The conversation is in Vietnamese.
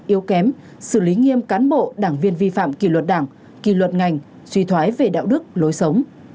yếu kém xử lý nghiêm cán bộ đảng viên vi phạm kỳ luật đảng kỳ luật ngành suy thoái về đạo đức lối sống